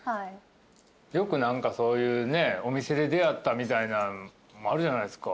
よく何かそういうお店で出会ったみたいなんあるじゃないですか。